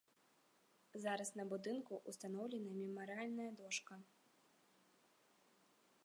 Зараз на будынку ўстаноўлена мемарыяльная дошка.